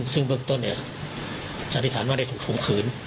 ซึ่งเบื้องต้นเนี่ยสัตวิธีฐานว่าได้ถูกภูมิขืน